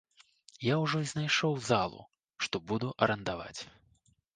Я ўжо знайшоў залу, што буду арандаваць.